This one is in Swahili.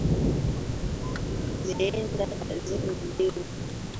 Ameenda kazini leo.